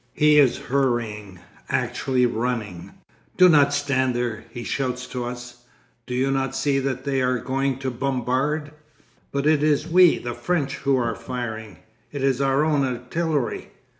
He is hurrying, actually running. "Do not stay there," he shouts to us; "do you not see that they are going to bombard?" "But it is we, the French, who are firing. It is our own artillery.